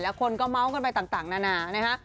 แล้วคนก็เมาส์กันไปต่างนานานะคะ